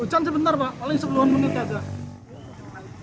hujan sebentar pak paling sepuluh an menit saja